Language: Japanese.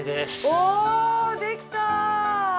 おできた！